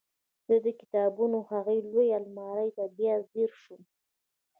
زه د کتابونو هغې لویې المارۍ ته بیا ځیر شوم